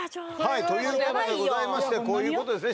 はいというわけでございましてこういうことですね